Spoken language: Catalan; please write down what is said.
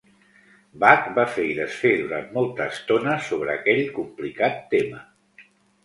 Bach va fer i desfer durant molta estona sobre aquell complicat tema.